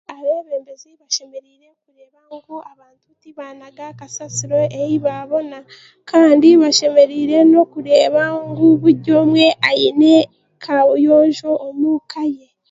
Abeebembezi basemereire kureeba ngu abantu tibaanaga kasasiro ei baabona kandi basemereire nokureeba ngu buri omwe aine kaabuyonjo omuka ye